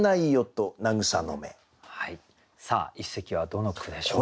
さあ一席はどの句でしょうか。